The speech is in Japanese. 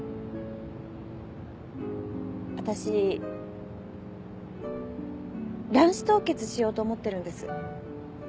私卵子凍結しようと思ってるんです。